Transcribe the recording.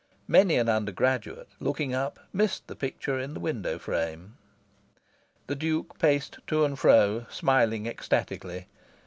Many an undergraduate, looking up, missed the picture in the window frame. The Duke paced to and fro, smiling ecstatically.